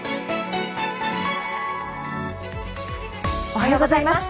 おはようございます。